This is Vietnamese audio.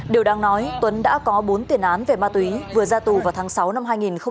điều đáng nói tuấn đã có bốn tiền án về ma túy vừa ra tù vào tháng sáu năm hai nghìn một mươi chín